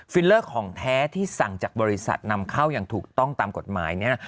เลอร์ของแท้ที่สั่งจากบริษัทนำเข้าอย่างถูกต้องตามกฎหมายเนี่ยนะ